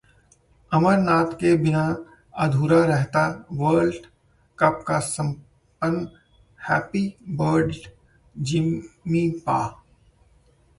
अमरनाथ के बिना अधूरा रहता वर्ल्ड कप का सपना, हैप्पी बर्थडे 'जिमी पा'